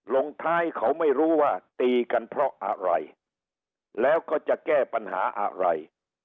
ลงท้ายเขาไม่รู้ว่าตีกันเพราะอะไรแล้วก็จะแก้ปัญหาอะไร